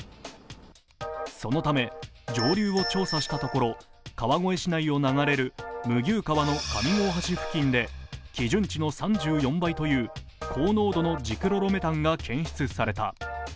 そのため上流を調査したところ、川越市内を流れる麦生川の上江橋付近で基準値の３４倍という高濃度のジクロロメタンが検出された。